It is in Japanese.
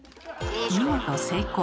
見事成功。